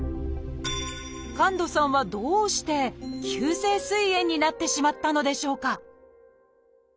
神門さんはどうして急性すい炎になってしまったのでしょうか？